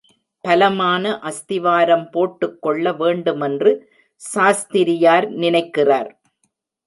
பலமான அஸ்திவாரம் போட்டுக் கொள்ள வேண்டுமென்று சாஸ்திரியார் நினைக்கிறார்.